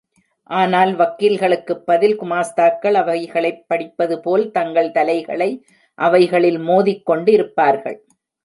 ஆனால் வக்கீல்களுக்குப் பதில் குமாஸ்தாக்கள், அவைகளைப் படிப்பதுபோல் தங்கள் தலைகளை அவைகளில் மோதிக்கொண்டிருப்பார்கள்.